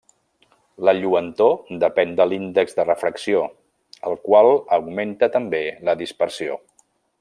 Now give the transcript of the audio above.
La lluentor depèn de l'índex de refracció, el qual augmenta també la dispersió.